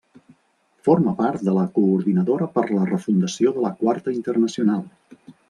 Forma part de la Coordinadora per la Refundació de la Quarta Internacional.